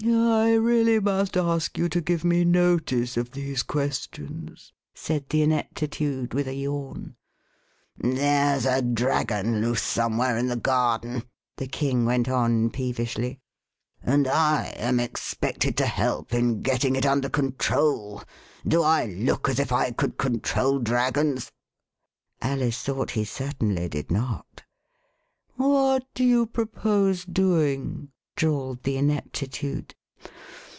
" I really must ask you to give me notice of these questions," said the Ineptitude, with a yawn. " There's a dragon loose somewhere in the garden," the King went on peevishly, " and I am 7 The Westminster Alice expected to help in getting it under control. Do I look as if I could control dragons ?'* Alice thought he certainly did not. What do you propose doing ?" drawled the Ineptitude.